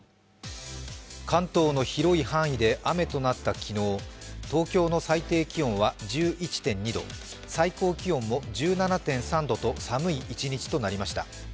関東の広い範囲で雨となった昨日、東京の最低気温は１１．２度、最高気温も１７．３度と寒い一日となりました。